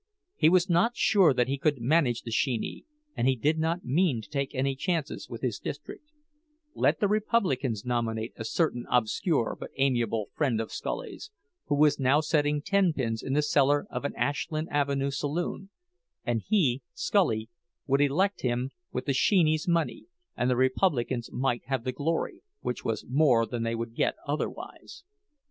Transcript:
He was not sure that he could manage the "sheeny," and he did not mean to take any chances with his district; let the Republicans nominate a certain obscure but amiable friend of Scully's, who was now setting tenpins in the cellar of an Ashland Avenue saloon, and he, Scully, would elect him with the "sheeny's" money, and the Republicans might have the glory, which was more than they would get otherwise.